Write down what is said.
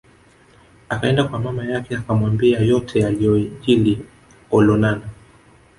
Akaenda kwa mama yake akamwambia yote yaliyojili Olonana